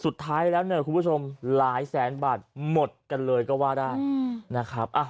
สุดท้ายแล้วเนี่ยคุณผู้ชมหลายแสนบาทหมดกันเลยก็ว่าได้นะครับ